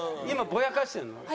今ぼやかしてるの？